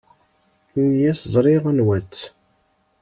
Ini-as ẓriɣ anwa-tt.